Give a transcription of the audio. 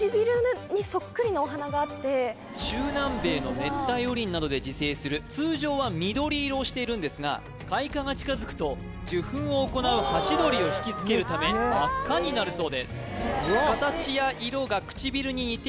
えっとすごい中南米の熱帯雨林などで自生する通常は緑色をしているんですが開花が近づくと受粉を行うハチドリをひきつけるため真っ赤になるそうです